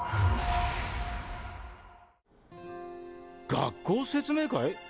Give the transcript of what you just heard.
学校説明会？